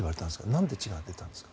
なんで血が出たんですか？